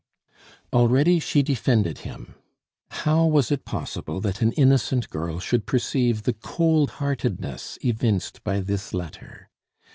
Already she defended him. How was it possible that an innocent girl should perceive the cold heartedness evinced by this letter?